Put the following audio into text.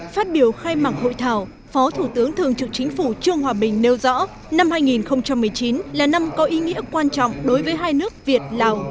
phát biểu khai mạc hội thảo phó thủ tướng thường trực chính phủ trương hòa bình nêu rõ năm hai nghìn một mươi chín là năm có ý nghĩa quan trọng đối với hai nước việt lào